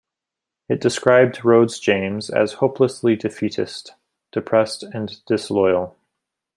It described Rhodes James as "hopelessly defeatist, depressed and disloyal".